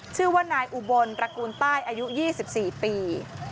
ชื่อว่านายอุบลตระกูลใต้อายุ๒๔ปี